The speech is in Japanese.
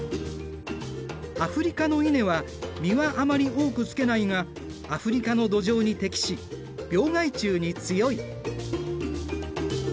アフリカの稲は実はあまり多くつけないがアフリカの土壌に適し病害虫に強い。